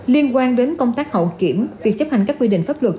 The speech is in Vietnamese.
liên quan đến công tác hậu kiểm việc chấp hành các quy định pháp luật